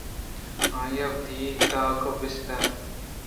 آئی ءَ وتی تگ بست اَنت